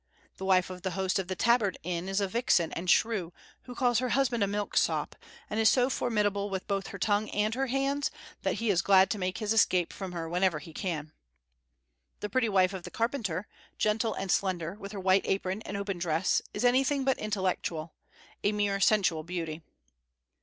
The wife of the host of the Tabard inn is a vixen and shrew, who calls her husband a milksop, and is so formidable with both her tongue and her hands that he is glad to make his escape from her whenever he can. The pretty wife of the carpenter, gentle and slender, with her white apron and open dress, is anything but intellectual, a mere sensual beauty.